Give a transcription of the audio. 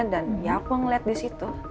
dan ya aku ngeliat di situ